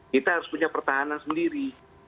kita harus punya pertahanan sendiri